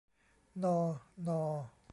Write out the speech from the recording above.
นอ ณอ